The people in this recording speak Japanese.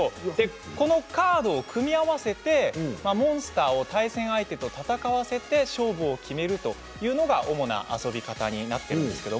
このカードを組み合わせてモンスターを対戦相手と戦わせて勝負を決めるというのが主な遊び方になっています。